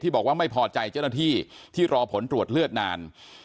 บอกว่าไม่พอใจเจ้าหน้าที่ที่รอผลตรวจเลือดนาน